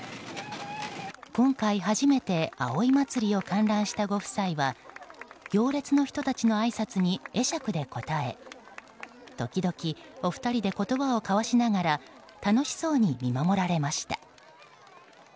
今回初めて葵祭を観覧したご夫妻は行列の人たちのあいさつに会釈で応え時々お二人で言葉を交わしながら楽しそうに見守られました。